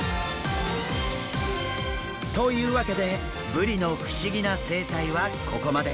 というわけでブリの不思議な生態はここまで。